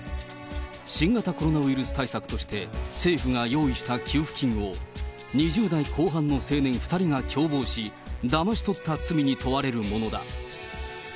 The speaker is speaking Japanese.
新型コロナウイルス対策として政府が用意した給付金を、２０代後半の青年２人が共謀し、だまし取った罪に問われるものだ。